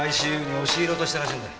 ＩＣＵに押し入ろうとしたらしいんだ。